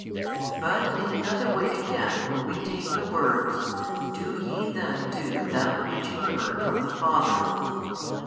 But in another way again will we take the words, Do YE then do that which ye heard from the Father.